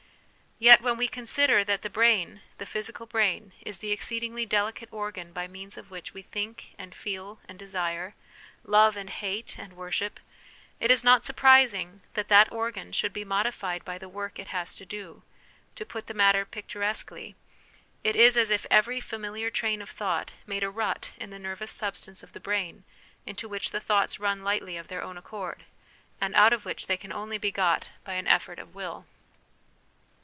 Yet when we consider that the brain, the physical brain, is the exceedingly delicate organ by means of which we think and feel and desire, love and hate and worship, it is not surprising that that organ should be modified by the work it has to do ; to put the matter picturesquely, it is as if every familiar train of thought made a rut in the nervous substance of the brain into which the thoughts run lightly of their own accord, and out of which they can only be got by an effort of will.